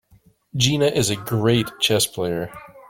Gina is a great chess player.